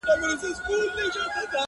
د جنګ د سولي د سیالیو وطن.!